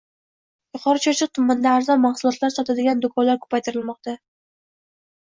Yuqori Chirchiq tumanida arzon mahsulotlar sotadigan do‘konlar ko‘paytirilmoqda